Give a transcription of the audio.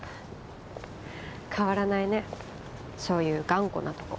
変わらないねそういう頑固なとこ。